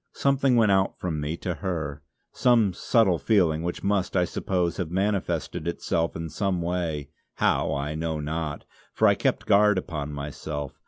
Something went out from me to her; some subtle feeling which must, I suppose, have manifested itself in some way, how I know not, for I kept guard upon myself.